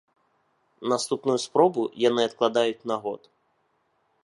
Наступную спробу яны адкладаюць на год.